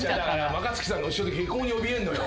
若槻さんが後ろで下校におびえるのよ。